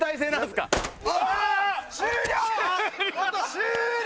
終了！